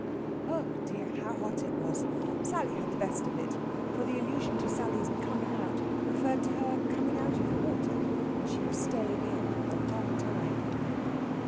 Oh dear! how hot it was! Sally had the best of it. For the allusion to Sally's "coming out" referred to her coming out of the water, and she was staying in a long time.